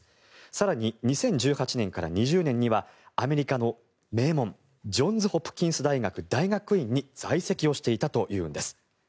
更に２０１８年から２０年にはアメリカの名門ジョンズ・ホプキンス大学大学院に在籍をしていたというんです。